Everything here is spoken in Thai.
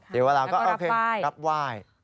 เดี๋ยวเราก็รับไหว้